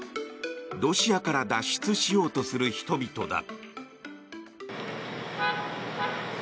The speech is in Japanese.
ロシアから脱出しようとする人々だ。